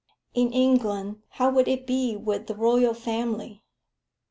In England how would it be with the Royal Family?